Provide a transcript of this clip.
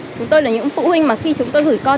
chúng tôi là những phụ huynh mà khi chúng tôi gửi con